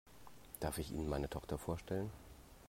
Darf ich Ihnen meine Tochter vorstellen?